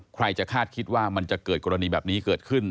ใครจะคาดคิดว่ามันจะเกิดกรณีแบบนี้เกิดขึ้น